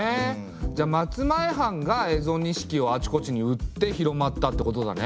じゃあ松前藩が蝦夷錦をあちこちに売って広まったってことだね。